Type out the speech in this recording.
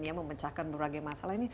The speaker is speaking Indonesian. yang memecahkan berbagai masalah ini